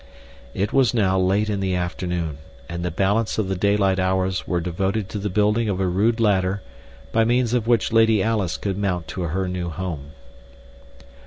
It was now late in the afternoon, and the balance of the daylight hours were devoted to the building of a rude ladder by means of which Lady Alice could mount to her new home.